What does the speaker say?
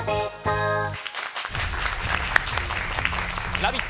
「ラヴィット！